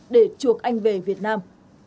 để chuộc anh về việt nam